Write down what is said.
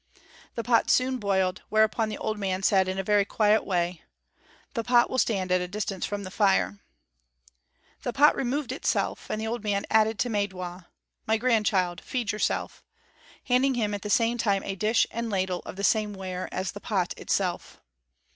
The pot soon boiled, whereupon the old man said in a very quiet way: "The pot will stand at a distance from the fire." The pot removed itself, and the old man added to Maidwa: "My grandchild, feed yourself," handing him at the same time a dish and ladle of the same ware as the pot itself.